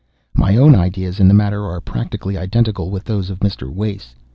My own ideas in the matter are practically identical with those of Mr. Wace.